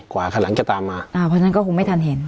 กว่าคันหลังจะตามมาอ่าเพราะฉะนั้นก็คงไม่ทันเห็น